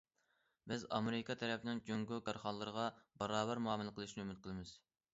بىز ئامېرىكا تەرەپنىڭ جۇڭگو كارخانىلىرىغا باراۋەر مۇئامىلە قىلىشىنى ئۈمىد قىلىمىز.